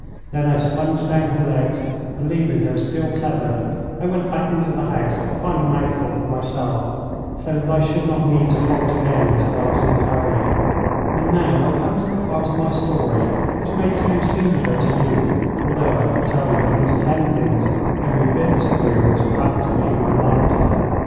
Then I sponged down her legs, and leaving her still tethered I went back into the house to find a mouthful for myself, so that I should not need to halt again until I was in Paris. And now I come to the part of my story which may seem singular to you, although I could tell you at least ten things every bit as queer which have happened to me in my lifetime.